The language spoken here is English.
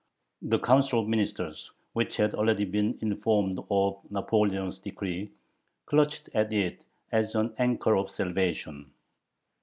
The Council of Ministers, which had already been informed of Napoleon's decree, clutched at it as an anchor of salvation.